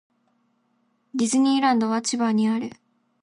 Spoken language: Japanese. ディズニーランドは千葉にある